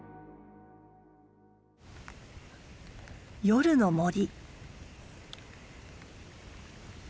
夜の森。